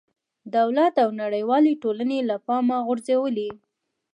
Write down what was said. دولت او نړېوالې ټولنې له پامه غورځولې.